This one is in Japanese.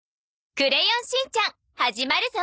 『クレヨンしんちゃん』始まるぞ。